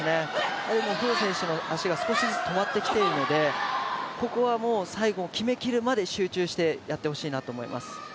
馮選手の足が少しずつ止まってきているのでここは最後、決めきるまで集中してやってほしいなと思います。